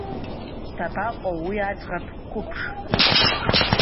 Дабаҟоу уи аӡӷаб қәыԥш?